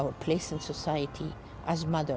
tempat kita di masyarakat